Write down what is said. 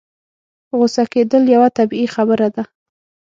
غوسه کېدل يوه طبيعي خبره ده.